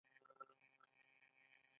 د کاناډا فضایی اداره فعاله ده.